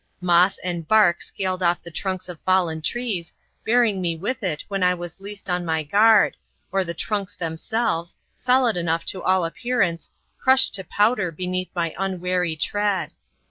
Moss and bark scaled off the trunks of fallen trees, bearing me with it when I was least on my guard, or the trunks themselves, solid enough to all appearance, crushed to powder beneath my unwary tread.